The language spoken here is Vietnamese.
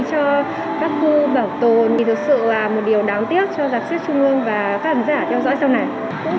thì thực sự đây là một điểm đặc trưng